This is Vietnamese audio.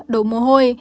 đổ mồ hôi